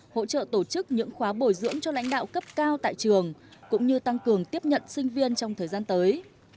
hỗ trợ tổ chức những khóa bồi dưỡng cho lãnh đạo cấp cao tại trường cũng như tăng cường tiếp nhận sinh viên trong thời gian tới